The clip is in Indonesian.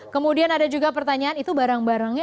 kemudian ada juga pertanyaan itu barang barangnya